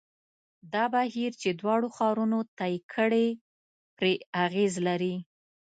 دا بهیر چې دواړو ښارونو طی کړې پرې اغېز لري.